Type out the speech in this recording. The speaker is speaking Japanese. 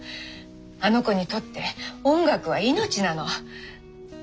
あの子にとって音楽は命なの。